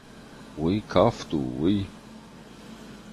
Уый кафт у, уый!